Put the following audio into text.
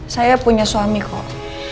saya punya suami kok